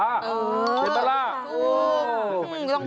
เจ็บตลาด